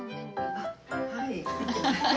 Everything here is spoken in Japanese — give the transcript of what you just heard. あっはい。